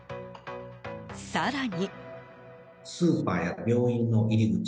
更に。